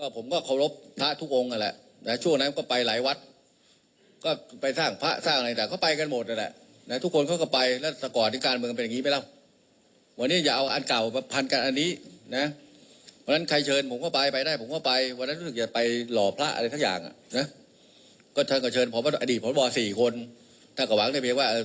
พบ๔คนถ้ากระหว่างได้เพียงว่า